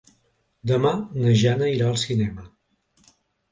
Demà na Jana irà al cinema.